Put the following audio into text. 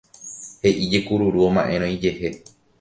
he'íje kururu oma'érõ ijehe